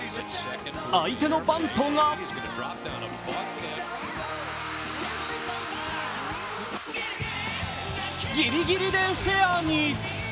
相手のバントがギリギリでフェアに。